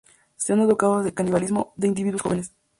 Se han dado casos de canibalismo de individuos jóvenes.